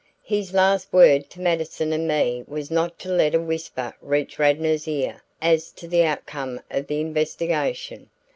His last word to Mattison and me was not to let a whisper reach Radnor's ear as to the outcome of the investigation.